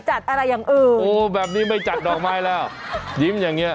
อ้าวแล้วคุณหวัดล่ะเนี่ยอ้าว